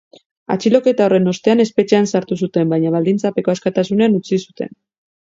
Atxiloketa horren ostean espetxean sartu zuten, baina baldintzapeko askatasunean utzi zuten.